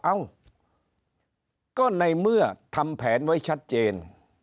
เอ้าก็ในเมื่อทำแผนไว้ชัดเจน